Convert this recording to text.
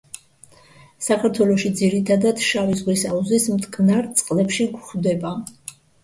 საქართველოში ძირითადად შავი ზღვის აუზის მტკნარ წყლებში გვხვდება.